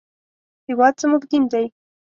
هېواد زموږ دین دی